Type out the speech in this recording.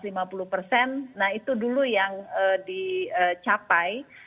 nah itu dulu yang dicapai